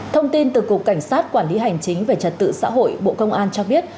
thông tin từ cục cảnh sát quản lý hành chính về trật tự xã hội bộ công an cho biết